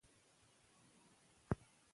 که تخم وي نو نسل نه ورکېږي.